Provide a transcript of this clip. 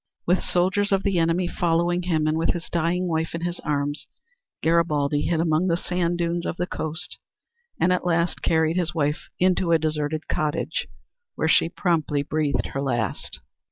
With soldiers of the enemy following him, and with his dying wife in his arms, Garibaldi hid among the sand dunes of the coast and at last carried his wife into a deserted cottage where she promptly breathed her last.